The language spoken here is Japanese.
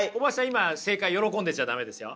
今正解喜んでちゃ駄目ですよ。